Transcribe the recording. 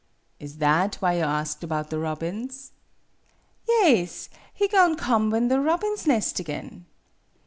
"Is that why you asked about the robins ?" "Yaes; he go'n' come when the robins nest again.